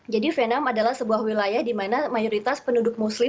jadi venam adalah sebuah wilayah di mana mayoritas muslim di newcastle